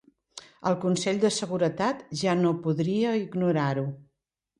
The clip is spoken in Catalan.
El Consell de Seguretat ja no podria ignorar-ho.